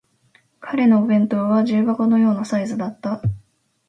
彼のお弁当は重箱のようなサイズだった